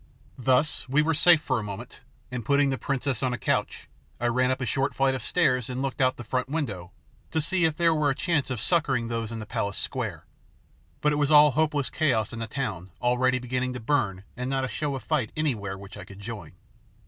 Thus we were safe for a moment, and putting the princess on a couch, I ran up a short flight of stairs and looked out of a front window to see if there were a chance of succouring those in the palace square. But it was all hopeless chaos with the town already beginning to burn and not a show of fight anywhere which I could join.